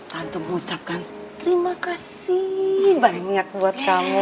tante mengucapkan terima kasih banyak buat kamu